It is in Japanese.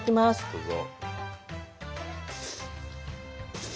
どうぞ。